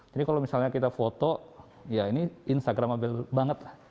jadi kalau misalnya kita foto ya ini instagramable banget